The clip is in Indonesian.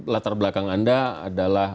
latar belakang anda adalah